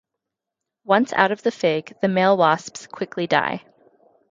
Once out of the fig, the male wasps quickly die.